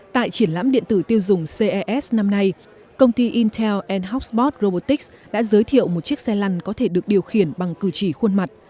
tại triển lãm điện tử tiêu dùng ces năm nay công ty intel hoxport robotics đã giới thiệu một chiếc xe lăn có thể được điều khiển bằng cử chỉ khuôn mặt